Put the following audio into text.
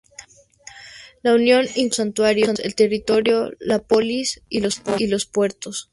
La unión incluía los santuarios, el territorio, la polis y los puertos.